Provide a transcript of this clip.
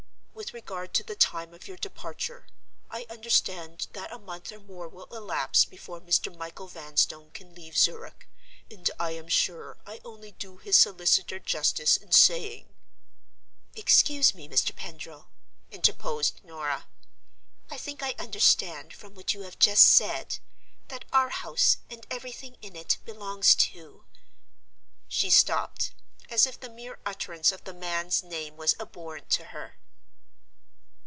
With regard to the time of your departure, I understand that a month or more will elapse before Mr. Michael Vanstone can leave Zurich; and I am sure I only do his solicitor justice in saying—" "Excuse me, Mr. Pendril," interposed Norah; "I think I understand, from what you have just said, that our house and everything in it belongs to—?" She stopped, as if the mere utterance of the man's name was abhorrent to her.